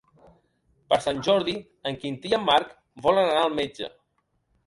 Per Sant Jordi en Quintí i en Marc volen anar al metge.